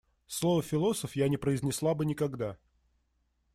Слово «философ» я не произнесла бы никогда.